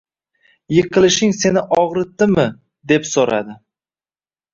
Yiqilishing seni ogʻritdimi deb soʻradi.